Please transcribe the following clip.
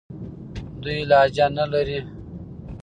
دوی لهجه نه لري.